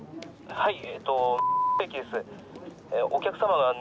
はい。